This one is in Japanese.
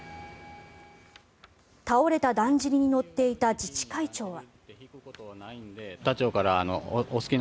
倒れただんじりに乗っていた自治会長は。